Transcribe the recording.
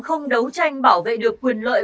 không đấu tranh bảo vệ được quyền lợi